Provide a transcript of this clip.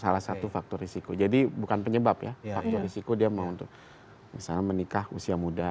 salah satu faktor risiko jadi bukan penyebab ya faktor risiko dia mau untuk misalnya menikah usia muda